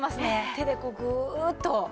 手でこうグーッと。